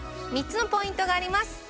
３つのポイントがあります